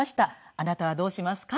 あなたはどうしますか？